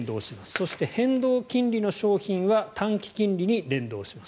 そして変動金利の商品は短期金利に連動します。